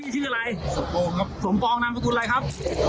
ชื่ออะไรสมปองถูกนำกระทุนอะไรครับ